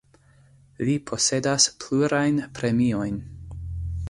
Li posedas plurajn premiojn.